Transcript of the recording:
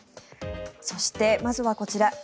そして、まずはこちら。